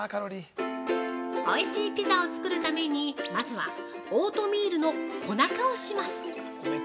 おいしいピザを作るために、まずはオートミールの粉化をします。